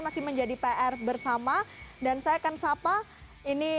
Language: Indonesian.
masih menjadi pr bersama dan saya akan